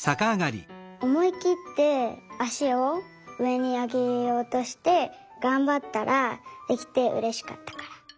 おもいきってあしをうえにあげようとしてがんばったらできてうれしかったから。